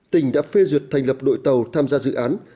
tỉnh đã phê duyệt thành lập đội tàu tham gia dự án